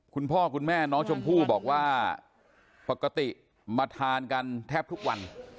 คุณพ่อคุณแม่น้องชมพู่บอกว่าปกติมาทานกันแทบทุกวัน